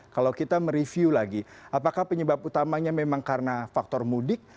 kalau kita mereview lagi apakah penyebab utamanya memang karena faktor mudik